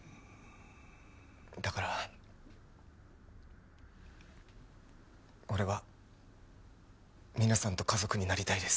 だから俺は皆さんと家族になりたいです。